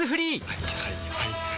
はいはいはいはい。